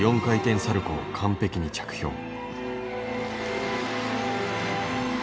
４回転サルコーを完璧に着氷。